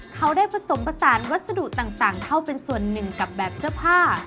เขาได้ผสมผสานวัสดุต่างเข้าเป็นส่วนหนึ่งกับแบบเสื้อผ้า